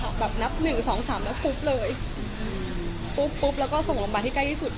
เต็มหนับนับ๑๒๑๒เพิ่มมาปุ๊บรับปุ๊บแล้วก็ส่งลงบารที่ใกล้ที่สุด